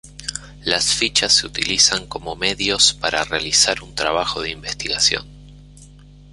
Las fichas se utilizan como medios para realizar un trabajo de investigación.